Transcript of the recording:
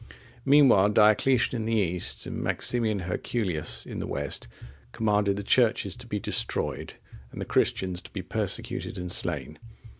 Meanwhile, Diocletian in the east, and Maximian Herculius in the west, commanded the churches to be destroyed, and the Christians to be persecuted and slain.